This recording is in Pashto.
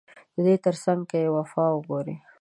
ددې ترڅنګ که يې وفا وګورې